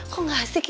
kok ga asik ya